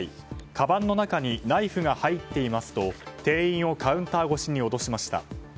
かばんの中にナイフが入っていますと店員をカウンター越しに脅しました。